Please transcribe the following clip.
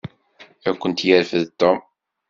Ad kent-yerfed Tom.